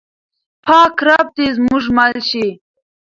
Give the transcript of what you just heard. پاک رب دې زموږ مل شي.